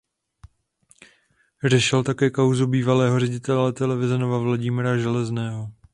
Řešil také kauzu bývalého ředitele televize Nova Vladimíra Železného.